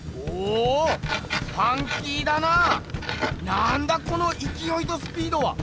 なんだこのいきおいとスピードは！